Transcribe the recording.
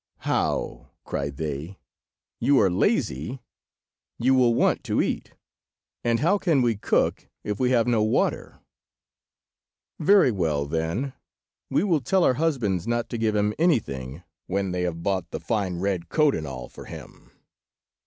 "How!" cried they. "You are lazy! You will want to eat, and how can we cook if we have no water? Very well, then, we will tell our husbands not to give him anything when they have bought the fine red coat and all for him."